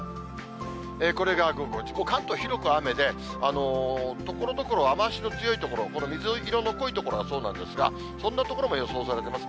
これが午後５時、もう関東広く雨で、ところどころ雨足の強い所、この水色の濃い所がそうなんですが、そんな所も予想されています。